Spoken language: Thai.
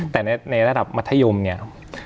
แต่ในระดับมัธยมเนี่ย